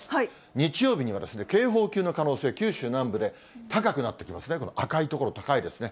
日曜日には、警報級の可能性、九州南部で高くなってきますね、この赤い所、高いですね。